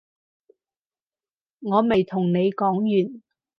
我未同你講完